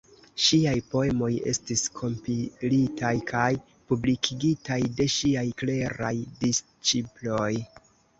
Ŝiaj poemoj estis kompilitaj kaj publikigitaj de ŝiaj kleraj disĉiploj.